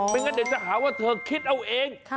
งั้นเดี๋ยวจะหาว่าเธอคิดเอาเอง